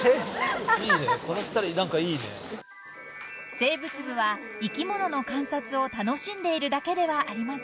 ［生物部は生き物の観察を楽しんでいるだけではありません］